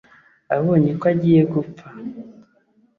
abonye ko agiye gupfa